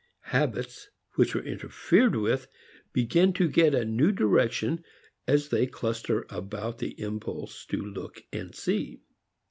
Habits which were interfered with begin to get a new direction as they cluster about the impulse to look and see.